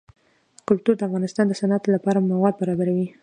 کلتور د افغانستان د صنعت لپاره مواد برابروي.